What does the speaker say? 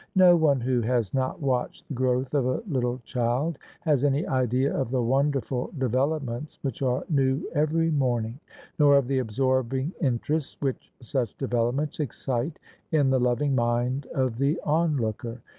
No one who has not watched the growth of a little child has any idea of the wonderful developments which are new every morn ing, nor of the absorbing interests which such developments excite in the loving mind of the onlooker.